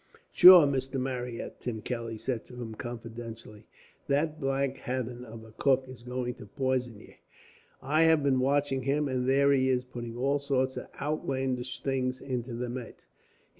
"Sure, Mr. Marryat," Tim Kelly said to him confidentially, "that black hathen of a cook is going to pison ye. I have been watching him, and there he is putting all sorts of outlandish things into the mate.